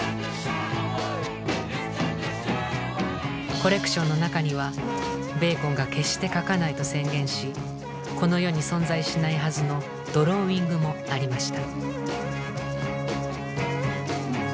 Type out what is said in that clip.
コレクションの中にはベーコンが決して描かないと宣言しこの世に存在しないはずのドローイングもありました。